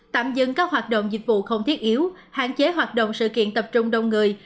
tạm dừng các hoạt động dịch vụ không thiết yếu hạn chế hoạt động sự kiện tập trung đông người